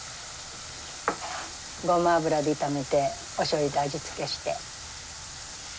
ごま油で炒めておしょうゆで味付けして。